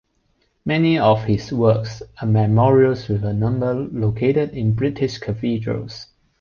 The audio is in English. Many of his works are memorials with a number located in British cathedrals.